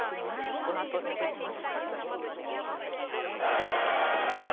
このあと見ていきます。